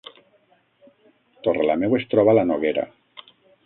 Torrelameu es troba a la Noguera